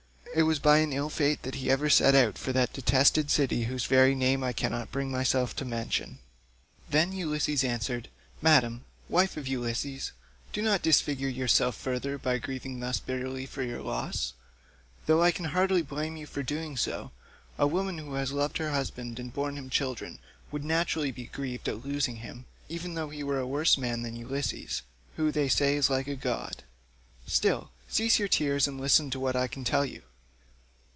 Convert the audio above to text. It was by an ill fate that he ever set out for that detested city whose very name I cannot bring myself even to mention." Then Ulysses answered, "Madam, wife of Ulysses, do not disfigure yourself further by grieving thus bitterly for your loss, though I can hardly blame you for doing so. A woman who has loved her husband and borne him children, would naturally be grieved at losing him, even though he were a worse man than Ulysses, who they say was like a god. Still, cease your tears and listen to what I can tell you.